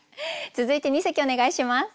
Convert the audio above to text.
続いて二席お願いします。